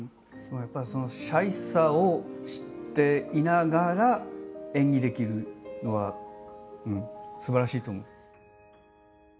やっぱりそのシャイさを知っていながら演技できるのはすばらしいと思う。